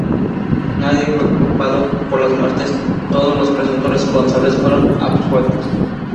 Nadie fue culpado por las muertes, todos los presuntos responsables fueron absueltos.